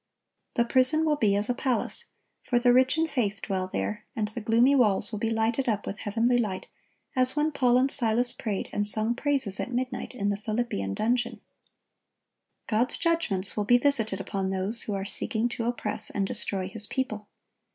The prison will be as a palace; for the rich in faith dwell there, and the gloomy walls will be lighted up with heavenly light, as when Paul and Silas prayed and sung praises at midnight in the Philippian dungeon. God's judgments will be visited upon those who are seeking to oppress and destroy His people.